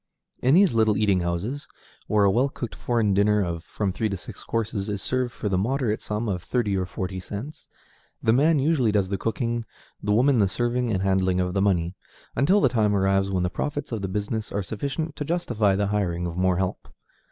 In these little eating houses, where a well cooked foreign dinner of from three to six courses is served for the moderate sum of thirty or forty cents, the man usually does the cooking, the woman the serving and handling of the money, until the time arrives when the profits of the business are sufficient to justify the hiring of more help.